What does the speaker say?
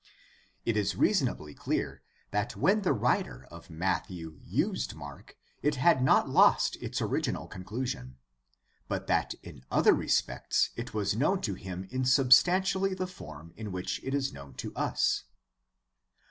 It is reasonably clear that when the writer of Matthew used Mark it had not lost its original conclusion, but that in other respects it was known to him in substantially the form in which it is known to us.